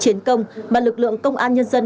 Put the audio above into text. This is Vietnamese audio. chiến công mà lực lượng công an nhân dân